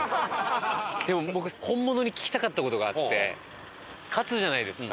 でも僕本物に聞きたかった事があって勝つじゃないですか。